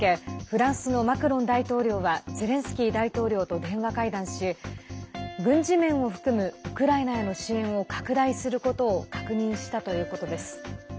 フランスのマクロン大統領はゼレンスキー大統領と電話会談し軍事面を含むウクライナへの支援を拡大することを確認したということです。